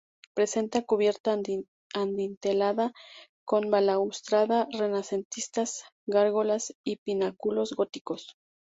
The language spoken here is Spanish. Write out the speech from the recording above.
Presenta cubierta adintelada, con balaustrada renacentista, gárgolas y pináculos góticos.